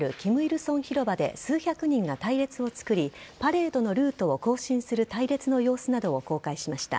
成広場で数百人が隊列を作り、パレードのルートを行進する隊列の様子などを公開しました。